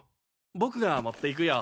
僕が持っていくよ。